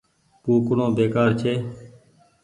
ڪوُڪڻو بيڪآر ڇي۔